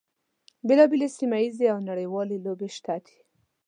بیلا بېلې سیمه ییزې او نړیوالې لوبې شته دي.